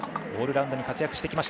オールラウンドに活躍。